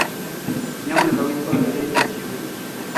nyamuneka witondere ibyo